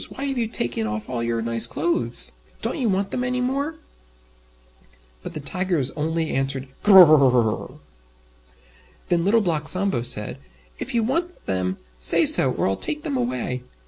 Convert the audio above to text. why have you taken off all your nice clothes? Don't you want them any more?" But the Tigers only answered "Gr r r rrrrr!" Then Little Black Sambo said, "If you want them, say so, or I'll take them away."